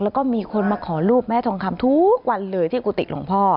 แล้วก็มีคนมาขอรูปแม่ทองคำทุกวันเลยที่กุฏิหลวงพ่อ